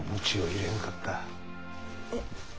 えっ。